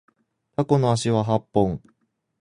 タコの足は八本